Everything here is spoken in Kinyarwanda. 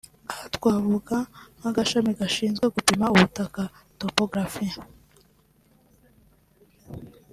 aha twavuga nk’agashami gashinzwe gupima ubutaka (Topographie)